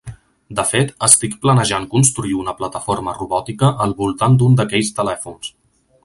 De fet, estic planejant construir una plataforma robòtica al voltant d'un d'aquells telèfons.